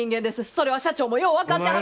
それは社長もよう分かってはる。